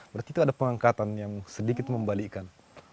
berarti itu ada pengangkatan yang sedikit membalikan